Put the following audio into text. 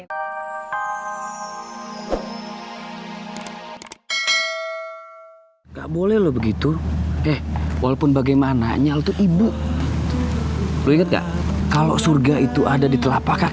nggak boleh begitu deh walaupun bagaimana nyatu ibu lu inget nggak kalau surga itu ada di telapak